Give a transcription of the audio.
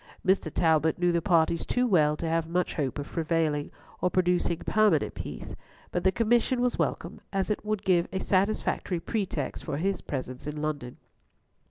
Mr. Talbot knew the parties too well to have much hope of prevailing, or producing permanent peace; but the commission was welcome, as it would give a satisfactory pretext for his presence in London.